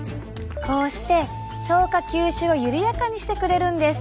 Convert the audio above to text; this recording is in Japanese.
こうして消化吸収を緩やかにしてくれるんです。